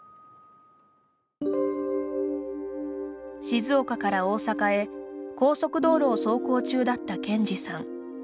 静岡から大阪へ高速道路を走行中だった健司さん。